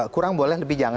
kurang boleh lebih jangka